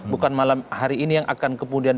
bukan malam hari ini yang akan kemudian